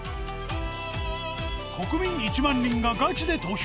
国民１万人がガチで投票！